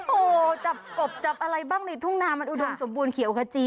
โอ้โหจับกบจับอะไรบ้างในทุ่งนามันอุดมสมบูรณเขียวขจี